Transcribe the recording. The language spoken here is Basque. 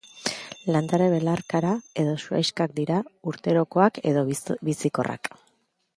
Landare belarkara edo zuhaixkak dira, urterokoak edo bizikorrak.